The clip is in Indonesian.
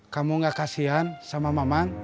kamu gak kasihan sama mamang